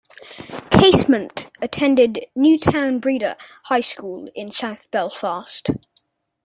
Casement attended Newtownbreda High School in south Belfast.